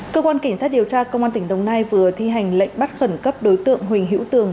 cơ quan cảnh sát điều tra công an tp hà nội vừa thi hành lệnh bắt khẩn cấp đối tượng huỳnh hữu tường